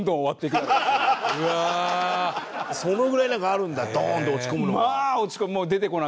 そのぐらいなんかあるんだドーンと落ち込むのが。